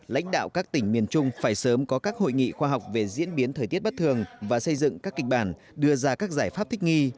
lãnh đạo các tỉnh miền trung phải sớm có các hội nghị khoa học về diễn biến thời tiết bất thường và xây dựng các kịch bản đưa ra các giải pháp thích nghi